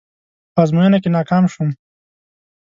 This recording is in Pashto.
په ازموينه کې ناکام شوم.